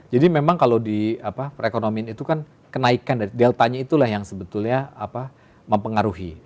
jadi memang kalau di perekonomian itu kan kenaikan dari deltanya itulah yang sebetulnya mempengaruhi